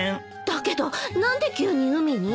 だけど何で急に海に？